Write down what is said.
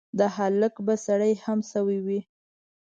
د هلک به سړې هم شوي وي.